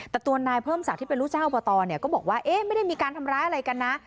แต่ตัวนายเพิ่มศักดิ์ที่เป็นลูกเจ้าอบตเนี่ยก็บอกว่าเอ๊ะไม่ได้มีการทำร้ายอะไรกันนะ